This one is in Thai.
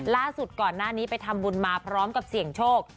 ล่าสุดก่อนหน้านี้ไปทำบุญมาพร้อมกับเสี่ยงโชค